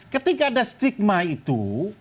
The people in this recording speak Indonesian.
ketika ada stigma itu